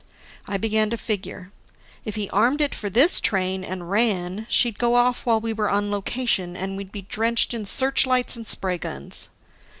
I began to figure: If he armed it for this train, and ran, she'd go off while we were on location and we'd be drenched in searchlights and spray guns.